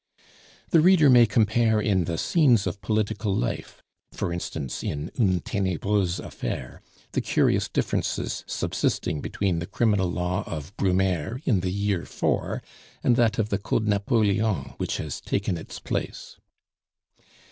The reader may compare in the Scenes of Political Life (for instance, in Une Tenebreuse affaire) the curious differences subsisting between the criminal law of Brumaire in the year IV., and that of the Code Napoleon which has taken its place.